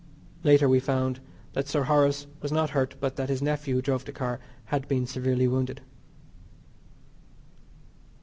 Later we found that Sir Horace was not hurt, but that his nephew who drove the car had been severely wounded.